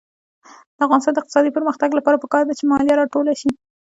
د افغانستان د اقتصادي پرمختګ لپاره پکار ده چې مالیه راټوله شي.